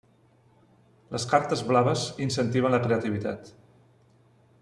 Les cartes blaves incentiven la creativitat.